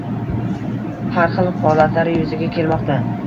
Har xil holatlari yuzaga kelmoqda.